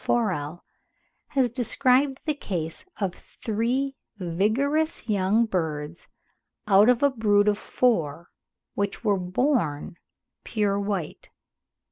Forel has described the case of three vigorous young birds, out of a brood of four, which were born pure white.